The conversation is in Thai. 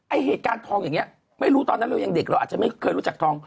เหตุการณ์ทองอย่างนี้ไม่รู้ตอนนั้นเรายังเด็กเราอาจจะไม่เคยรู้จักทอง